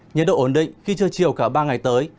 nhiệt độ ổn định khi chưa chiều cả ba ngày tới